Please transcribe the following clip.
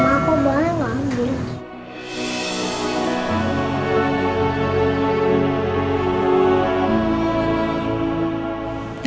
mama aku buahnya gak ambil